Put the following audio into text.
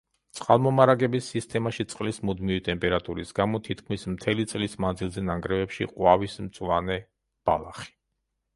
წყალმომარაგების სიტემაში წყლის მუდმივი ტემპერატურის გამო თითქმის მთელი წლის მანძილზე ნანგრევებში ყვავის მწვანე ბალახი.